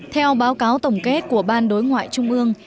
theo báo cáo tổng kết của ban đối ngoại trung ương